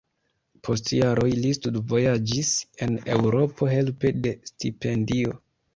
Post jaroj li studvojaĝis en Eŭropo helpe de stipendio.